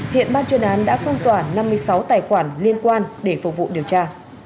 hiện ban chuyên án đã phong tỏa năm mươi sáu tài khoản liên quan để phục vụ điều tra